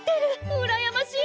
うらやましい！